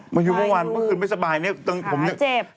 มายูเมื่อวานเมื่อคืนไม่สบายเนี่ยขาเจ็บ